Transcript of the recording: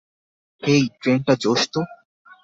হেই, ট্রেনটা জোশ তো।